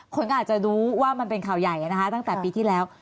คนก็อาจจะรู้ว่ามันเป็นข่าวใหญ่นะคะตั้งแต่ปีที่แล้ว